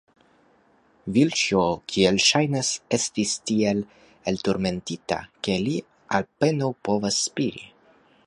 Vilĉjo, kiel ŝajnas, estas tiel elturmentita, ke li apenaŭ povas spiri.